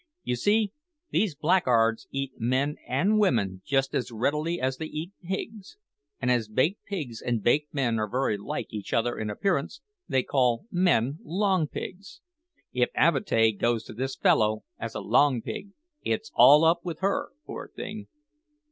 "You see, these blackguards eat men an' women just as readily as they eat pigs; and as baked pigs and baked men are very like each other in appearance, they call men long pigs. If Avatea goes to this fellow as a long pig, it's all up with her, poor thing!"